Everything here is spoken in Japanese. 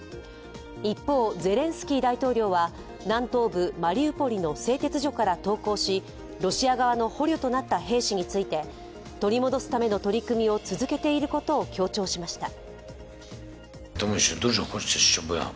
一方、ゼレンスキー大統領は南東部マリウポリの製鉄所から投降しロシア側の捕虜となった兵士について、取り戻すための取り組みを続けていることを強調しました。